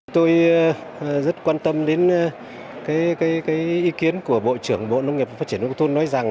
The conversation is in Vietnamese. tôi rất quan tâm đến ý kiến của bộ trưởng bộ nông nghiệp và phát triển nông thôn nói rằng